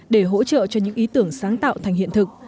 để hỗ trợ cho những ý tưởng sáng tạo thành hiện thực